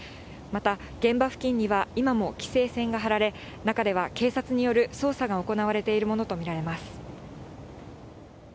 また、現場付近には今も規制線が張られ、中では警察による捜査が行われているものと見られます。